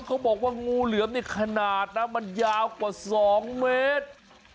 เขาบอกว่างูเหลือมนี่ขนาดนะมันยาวกว่า๒เมตร